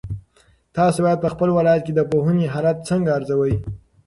تاسو په خپل ولایت کې د پوهنې حالت څنګه ارزوئ؟